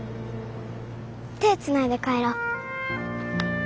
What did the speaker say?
手つないで帰ろう。